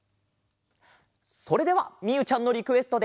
それではみゆちゃんのリクエストで。